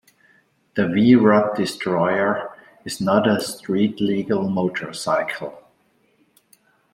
The V-Rod Destroyer is not a street legal motorcycle.